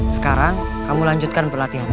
sekarang kamu lanjutkan pelatihanmu